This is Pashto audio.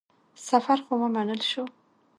سفر خو ومنل شو.